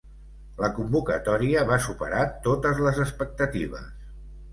La convocatòria va superar totes les expectatives.